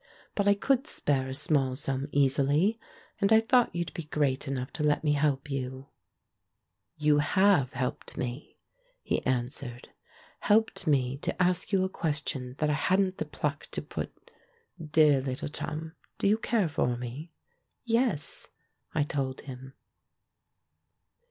But I could spare a small sum easily, and I thought you'd be great enough to let me help you." "You have helped me," he answered; "helped me to ask you a question that I hadn't the pluck THE PRINCE IN THE FAIRY TALE 211 to put. ... Dear little chum, do you care for me?" "Yes," I told him.